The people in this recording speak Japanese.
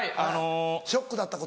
「ショックだった事」。